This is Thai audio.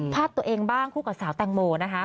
ภาพตัวเองบ้างคู่กับสาวแตงโมนะคะ